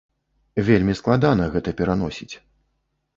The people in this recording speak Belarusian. Вельмі складана гэта пераносіць.